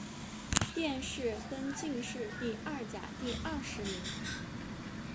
殿试登进士第二甲第二十名。